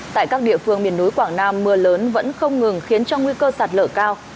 tại các địa phương miền núi quảng nam mưa lớn vẫn không ngừng khiến cho nguy cơ sạt lở cao